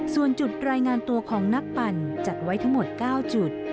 ส่วนจุดรายงานตัวของนักปั่นจัดไว้ทั้งหมด๙จุด